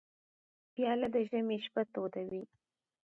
پیاله د ژمي شپه تودوي.